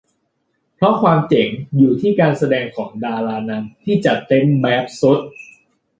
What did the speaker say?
เพราะความเจ๋งอยู่ที่การแสดงของดารานำที่จัดเต็มแบบสุด